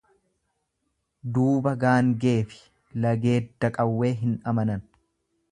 Duuba gaangeefi lageedda qawwee hin amanan.